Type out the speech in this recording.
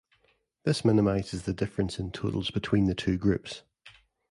This minimizes the difference in totals between the two groups.